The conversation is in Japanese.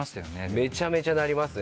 めちゃめちゃなりますね！